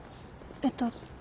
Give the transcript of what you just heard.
えっと。